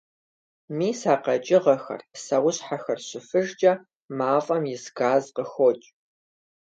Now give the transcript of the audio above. Мис а къэкӀыгъэхэр, псэущхьэхэр щыфыжкӀэ мафӀэм ис газ къыхокӀ.